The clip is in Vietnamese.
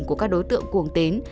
của các đối tượng cuồng tín